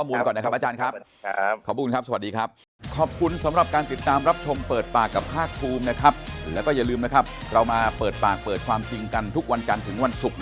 วันนี้ขอบคุณสำหรับข้อมูลก่อนนะครับอาจารย์ครับ